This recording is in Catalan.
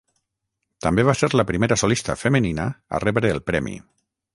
També va ser la primera solista femenina a rebre el premi.